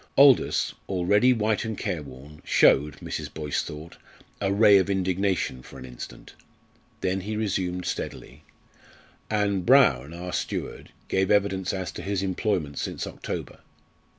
Aldous, already white and careworn, showed, Mrs. Boyce thought, a ray of indignation for an instant. Then he resumed steadily "And Brown, our steward, gave evidence as to his employment since October.